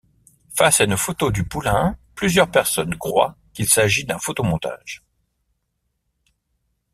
Face à une photo du poulain, plusieurs personnes croient qu'il s'agit d'un photomontage.